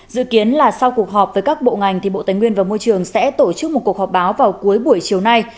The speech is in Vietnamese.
dự kiến là sau cuộc họp với các bộ ngành thì bộ tài nguyên và môi trường sẽ tổ chức một cuộc họp báo vào cuối buổi chiều nay